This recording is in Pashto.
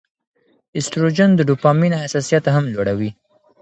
ایسټروجن د ډوپامین حساسیت هم لوړوي.